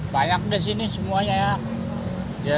banyak di sini semuanya ya